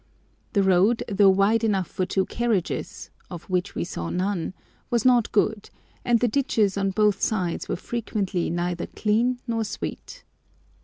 The road, though wide enough for two carriages (of which we saw none), was not good, and the ditches on both sides were frequently neither clean nor sweet.